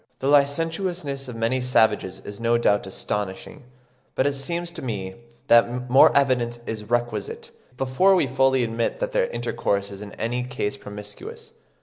The licentiousness of many savages is no doubt astonishing, but it seems to me that more evidence is requisite, before we fully admit that their intercourse is in any case promiscuous.